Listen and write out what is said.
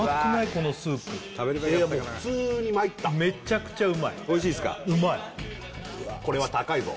このスープ普通にまいっためちゃくちゃうまいおいしいっすかうまいこれは高いぞ